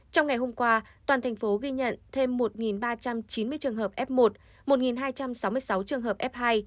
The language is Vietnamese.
trong ngày hôm qua toàn thành phố ghi nhận thêm một ba trăm chín mươi trường hợp f một một hai trăm sáu mươi sáu trường hợp f hai